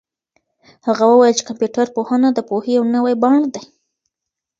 هغه وویل چي کمپيوټر پوهنه د پوهې یو نوی بڼ دی.